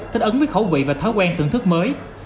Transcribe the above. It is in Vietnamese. thích ứng với khẩu vị và thói quen thưởng thức mới